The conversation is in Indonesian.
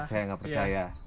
percaya nggak percaya